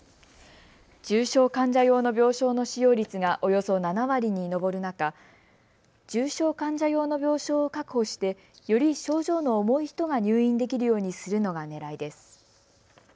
重症患者用の病床の使用率がおよそ７割に上る中、重症患者用の病床を確保してより症状の重い人が入院できるようにするのがねらいです。